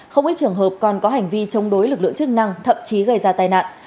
không ít trường hợp còn có hành vi chống đối lực lượng chức năng thậm chí gây ra tai nạn